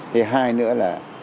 thế hai nữa là